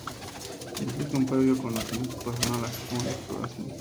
Implica un previo conocimiento personal, así como la exploración.